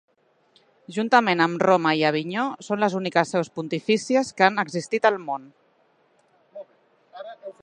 Juntament amb Roma i Avinyó són les úniques seus pontifícies que han existit al món.